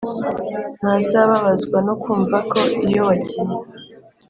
ntazababazwa no kumva ko iyo wagiye